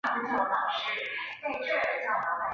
飞鹫是日本将棋的棋子之一。